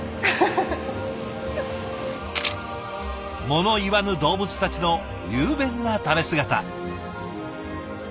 物言わぬ動物たちの雄弁な食べ姿。